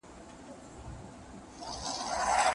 پلار ساعت نه و خرڅ کړی.